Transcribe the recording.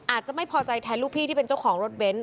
อาจจะไม่พอใจแทนลูกพี่ที่เป็นเจ้าของรถเบนท